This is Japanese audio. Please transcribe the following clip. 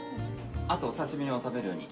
あとお刺し身を食べるように。